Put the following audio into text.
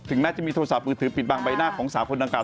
ถึงแม้จะมีโทรศาสตร์ปืนถือปิดบางใบหน้าของสาวคนนางกล่าว